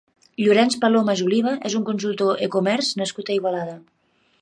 Llorenç Palomas Oliva és un consultor eCommerce nascut a Igualada.